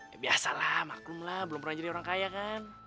ya biasalah maklum lah belum pernah jadi orang kaya kan